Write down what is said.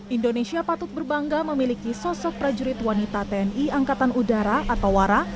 indonesia patut berbangga memiliki sosok prajurit wanita tni angkatan udara atau wara